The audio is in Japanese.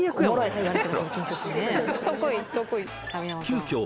急きょ